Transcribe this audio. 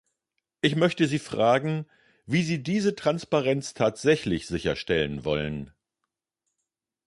Ich möchte Sie fragen, wie Sie diese Transparenz tatsächlich sicherstellen wollen!